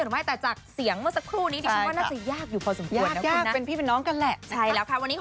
หรือว่าตอนนี้อนาคตจะข้ามอะไรไหม